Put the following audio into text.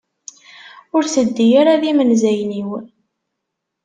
Ur teddi ara d imenzayen-iw.